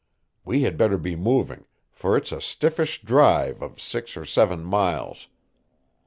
We had better be moving, for it's a stiffish drive of six or seven miles.